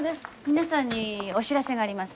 皆さんにお知らせがあります。